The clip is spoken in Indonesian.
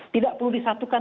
tidak perlu disatukan